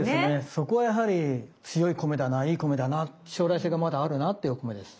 そこはやはり強い米だないい米だな将来性がまだあるなっていうお米です。